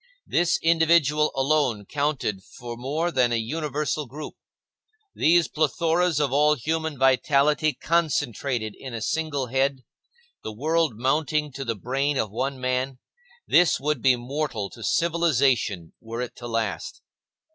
This individual alone counted for more than a universal group. These plethoras of all human vitality concentrated in a single head; the world mounting to the brain of one man,—this would be mortal to civilization were it to last.